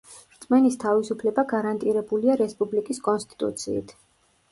რწმენის თავისუფლება გარანტირებულია რესპუბლიკის კონსტიტუციით.